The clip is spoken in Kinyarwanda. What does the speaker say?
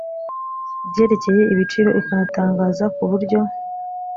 ibyerekeye ibiciro ikanatangaza ku buryo